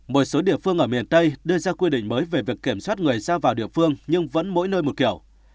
một số địa phương ở miền tây đưa ra quy định mới về việc kiểm soát người ra vào địa phương nhưng vẫn mỗi nơi một kiểu